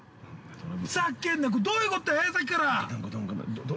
ざけんな、どういうことやっさっきから。